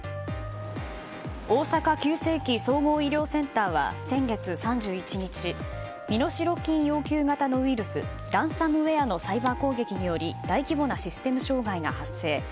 大阪急性期・総合医療センターは先月３１日身代金要求型のウイルスランサムウェアのサイバー攻撃により大規模なシステム障害が発生。